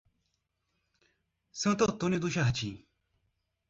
Santo Antônio do Jardim